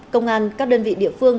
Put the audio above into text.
công an các đơn vị địa phương